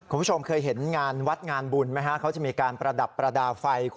คุณผู้ชมเคยเห็นวัดงานบุญไหมมีการประดับปรดาไฟ